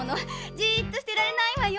じっとしてられないわよ。